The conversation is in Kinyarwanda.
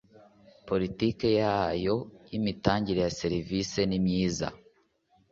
politiki yayo y ‘imitangire yaserivisi nimyiza.